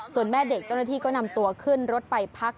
ส่วนแม่เด็กเจ้าหน้าที่ก็นำตัวขึ้นรถไปพัก